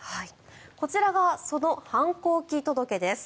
こちらがその反抗期届です。